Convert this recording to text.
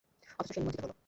অথচ সে নিমজ্জিত হলো।